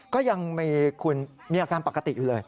ก็ยังมีแค่คุณปกติอยู่เลย